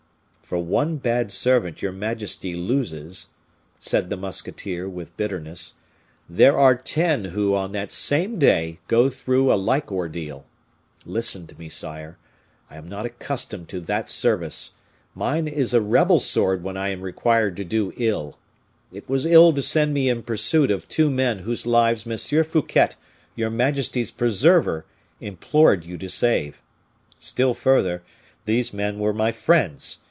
"For one bad servant your majesty loses," said the musketeer, with bitterness, "there are ten who, on that same day, go through a like ordeal. Listen to me, sire; I am not accustomed to that service. Mine is a rebel sword when I am required to do ill. It was ill to send me in pursuit of two men whose lives M. Fouquet, your majesty's preserver, implored you to save. Still further, these men were my friends.